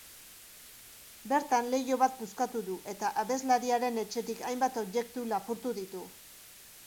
Bertan, leiho bat puskatu du eta abeslariaren etxetik hainbat objektu lapurtu ditu.